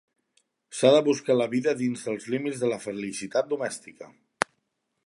S'ha de buscar la vida dins dels límits de la felicitat domèstica.